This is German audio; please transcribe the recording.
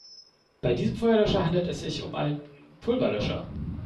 Bei diesem Feuerlöscher handelt es sich um einen Pulverlöscher.